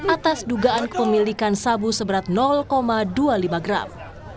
atas dugaan kepemilikan sabu seberat dua puluh lima gram